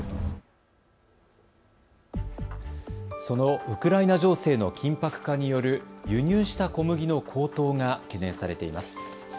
そのウクライナ情勢の緊迫化による輸入した小麦の高騰が懸念されています。